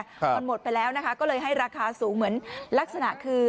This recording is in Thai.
มันหมดไปแล้วนะคะก็เลยให้ราคาสูงเหมือนลักษณะคือ